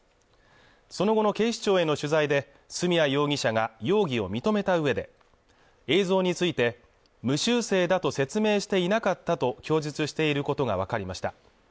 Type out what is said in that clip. その後の警視庁への取材で角谷容疑者が容疑を認めた上で映像について無修正だと説明していなかったと供述していることが分かりました